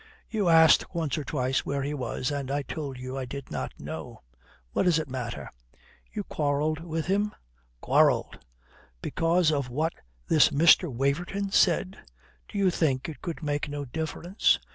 "You asked once or twice where he was, and I told you I did not know. What does it matter?" "You quarrelled with him?" "Quarrelled!" "Because of what this Mr. Waverton said?" "Do you think it could make no difference?"